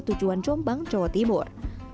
tujuan jombang jawa timur